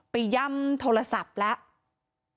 ย่ำโทรศัพท์แล้ว